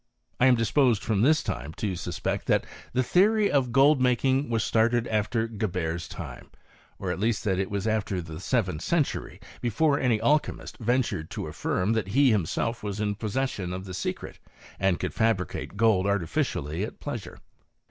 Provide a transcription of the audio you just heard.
I am disposed from this to suipecty that the theory of gold making was started aftor Qeber's time, or at least that it was aftecJthe Hgrenth centory, before any alchymist ventured to imSrm that he himself was in possession of the secret, and could fabricate gold artificially at pleasure.